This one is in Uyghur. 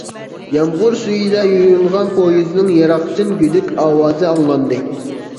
يامغۇر سۈيىدە يۇيۇنغان پويىزنىڭ يىراقتىن گۈدۈك ئاۋازى ئاڭلاندى.